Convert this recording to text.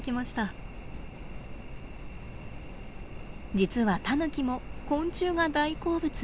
実はタヌキも昆虫が大好物。